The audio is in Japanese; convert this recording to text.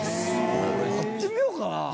いや「やってみようかな？」